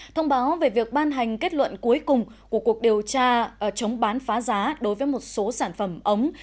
thông báo về việc ban hành kết luận cuối cùng của cuộc điều tra chống bán phá giá đối với một số sản phẩm ống